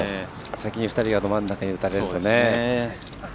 先に２人がど真ん中に打たれると。